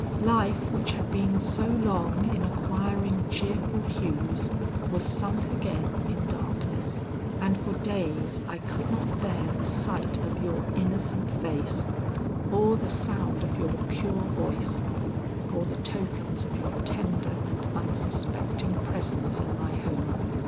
Life which had been so long in acquiring cheerful hues, was sunk again in darkness; and for days I could not bear the sight of your innocent face, or the sound of your pure voice, or the tokens of your tender and unsuspecting presence in my home.